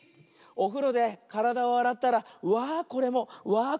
おふろでからだをあらったらわあこれもわあ